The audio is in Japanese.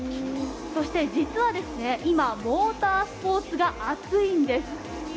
そして、実は今モータースポーツが熱いんです。